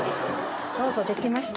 どうぞ出来ました。